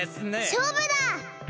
しょうぶだ！